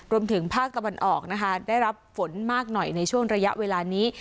รวมถึงภาคตะวันออกนะคะได้รับฝนมากหน่อยในช่วงระยะเวลานี้